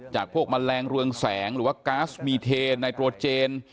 จากพวกแมลงเรืองแสงหรือว่าก๊าซมีเทนในโปรเจน